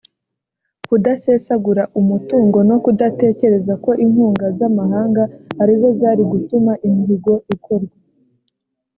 kudasesagura umutungo no kudatekereza ko inkunga z’amahanga ari zo zari gutuma imihigo ikorwa